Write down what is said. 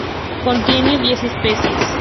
Contiene diez especies.